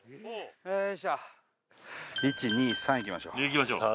１２「３」行きましょう。